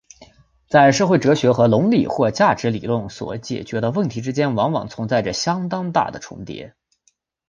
在社会哲学和伦理或价值理论所解决的问题之间往往存在着相当大的重叠。